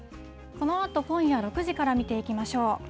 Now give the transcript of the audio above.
このあと今夜６時から見ていきましょう。